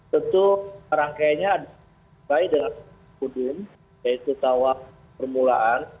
tentu rangkaiannya ada baik dalam budim yaitu tawaf permulaan